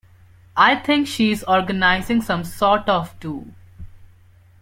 I think she's organising some sort of do.